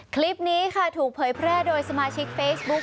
คลิปนี้ค่ะถูกเผยแพร่โดยสมาชิกเฟซบุ๊ค